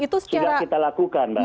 sudah kita lakukan